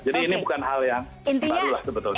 jadi ini bukan hal yang baru lah